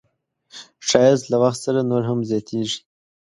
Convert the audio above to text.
ښایست له وخت سره نور هم زیاتېږي